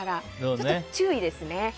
ちょっと注意ですね。